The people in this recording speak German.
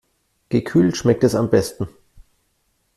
Gekühlt schmeckt es am besten.